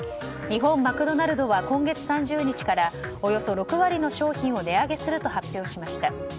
日本マクドナルドは今月３０日からおよそ６割の商品を値上げすると発表しました。